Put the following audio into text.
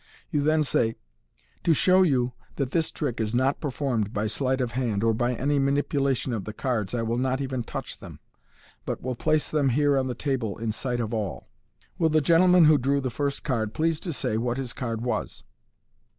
You then say, " To show you that this trick is not performed by sleight of hand, or by any manipulation of the cards, I will not even touch them, but will place them here un the table in sight of all. Will the gentleman who drew the first card please to say what his card was?"